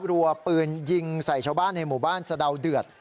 รัวปืนยิงใส่ชาวบ้านในหมู่บ้านสะดาวเดือด